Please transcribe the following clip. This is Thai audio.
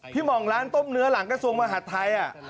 หม่องร้านต้มเนื้อหลังกระทรวงมหาดไทย